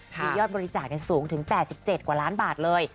มียอดบริจาคสูงถึง๘๗กว่าล้านบาทเลย